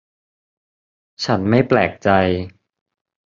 ฉันไม่แปลกใจ